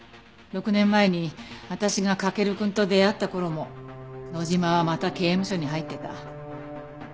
６年前に私が駆くんと出会った頃も野島はまた刑務所に入ってた。